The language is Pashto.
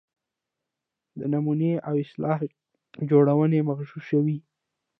د نومونې او اصطلاح جوړونې مغشوشوي.